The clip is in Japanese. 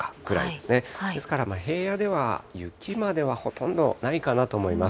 ですから、平野では雪まではほとんどないかなと思います。